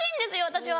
私は。